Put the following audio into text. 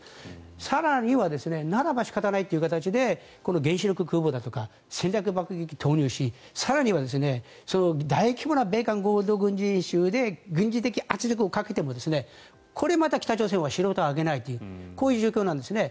更にはならば仕方ないという形で原子力空母だとか戦略爆撃機を投入し更には大規模な米韓合同軍事演習で軍事的圧力をかけてもこれまた北朝鮮は白旗を揚げないというこういう状況なんですね。